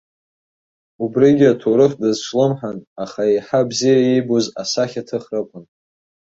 Убригьы аҭоурых дазҿлымҳан, аха еиҳа бзиа иибоз асахьаҭыхракәын.